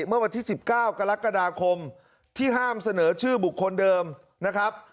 เมื่อวันที่๑๙กรกฎาคมที่ห้ามเสนอชื่อบุคคลเดิมนะครับ